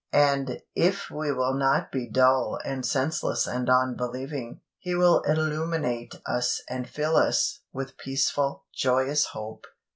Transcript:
And if we will not be dull and senseless and unbelieving, He will illuminate us and fill us with peaceful, joyous hope.